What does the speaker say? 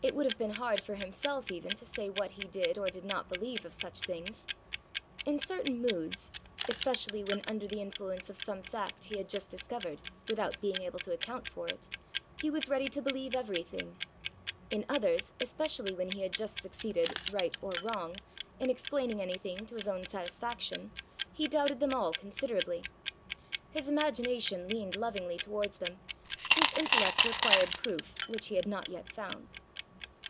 It would have been hard for himself even to say what he did or did not believe of such things. In certain moods, especially when under the influence of some fact he had just discovered without being able to account for it, he was ready to believe everything; in others, especially when he had just succeeded, right or wrong, in explaining anything to his own satisfaction, he doubted them all considerably. His imagination leaned lovingly towards them; his intellect required proofs which he had not yet found.